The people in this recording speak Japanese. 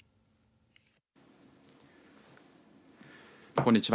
こんにちは。